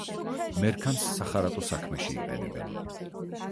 მერქანს სახარატო საქმეში იყენებენ.